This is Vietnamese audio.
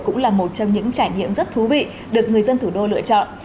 cũng là một trong những trải nghiệm rất thú vị được người dân thủ đô lựa chọn